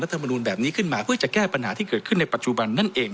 ธรรมนูลแบบนี้ขึ้นมาเพื่อจะแก้ปัญหาที่เกิดขึ้นในปัจจุบันนั่นเอง